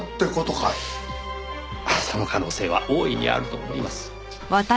その可能性は大いにあると思います。